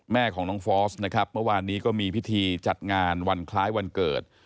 แม่ของน้องฟอสนะครับเมื่อวานนี้ก็มีพิธีจัดงานวันคล้ายวันเกิด